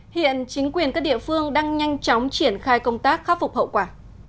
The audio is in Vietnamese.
hiện chính quyền các địa phương đang nhanh chóng triển khai công tác khắc phục hậu quả